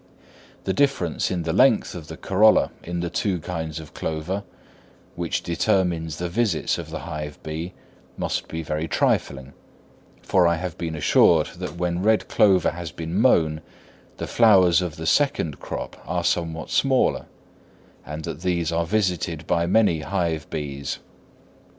The difference in the length of the corolla in the two kinds of clover, which determines the visits of the hive bee, must be very trifling; for I have been assured that when red clover has been mown, the flowers of the second crop are somewhat smaller, and that these are visited by many hive bees.